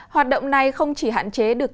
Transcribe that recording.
hoạt động này không chỉ hạn chế được